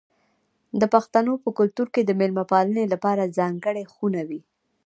د پښتنو په کلتور کې د میلمه پالنې لپاره ځانګړې خونه وي.